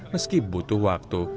meski butuh waktu